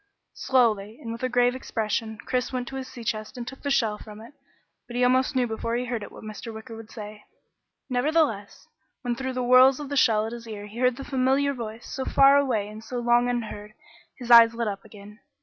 Slowly, and with a grave expression, Chris went to his sea chest and took the shell from it, but he almost knew before he heard it what Mr. Wicker would say. Nevertheless, when through the whorls of the shell at his ear he heard the familiar voice, so far away and so long unheard, his eyes lit up again.